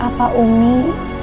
sampai jumpa lagi